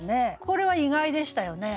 これは意外でしたよね。